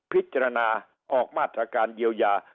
พิจารณาออกมาตรการเยียวยา